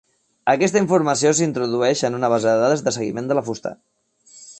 Aquesta informació s'introdueix en una base de dades de seguiment de la fusta.